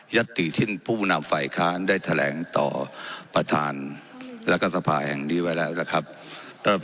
ติที่ผู้นำฝ่ายค้านได้แถลงต่อประธานรัฐสภาแห่งนี้ไว้แล้วนะครับ